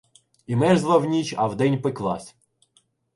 І мерзла вніч, а вдень пеклась.